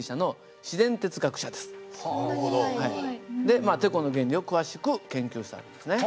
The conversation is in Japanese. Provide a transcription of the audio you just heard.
でてこの原理を詳しく研究したんですね。